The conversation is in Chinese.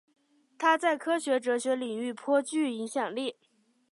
他在科学哲学领域颇具影响力。